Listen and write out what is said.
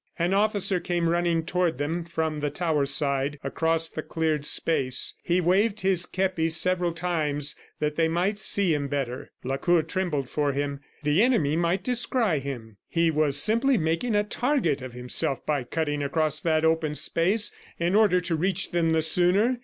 An officer came running toward them from the tower side, across the cleared space. He waved his kepi several times that they might see him better. Lacour trembled for him. The enemy might descry him; he was simply making a target of himself by cutting across that open space in order to reach them the sooner.